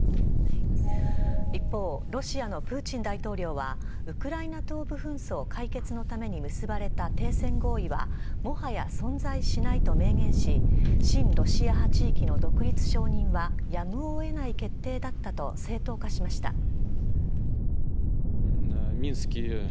一方、ロシアのプーチン大統領は、ウクライナ東部紛争解決のために結ばれた停戦合意は、もはや存在しないと明言し、親ロシア派地域の独立承認は、やむをえない決定だったと正当化しました。